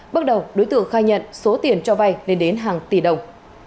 bước đầu đối tượng khai nhận số tiền cho vay lên đến hàng tỷ đồng